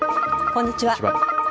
こんにちは。